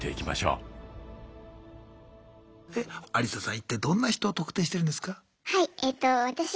一体どんな人を「特定」してるんですか？